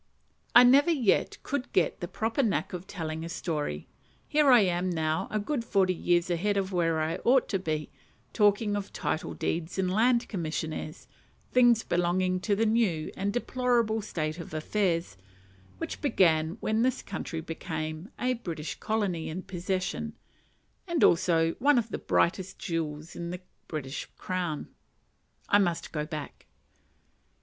I never yet could get the proper knack of telling a story. Here I am now, a good forty years ahead of where I ought to be, talking of "title deeds" and "land commissioners," things belonging to the new and deplorable state of affairs which began when this country became "a British colony and possession," and also "one of the brightest jewels in the British crown." I must go back.